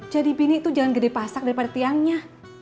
jadi bini itu jangan gede pasak daripada tiangnya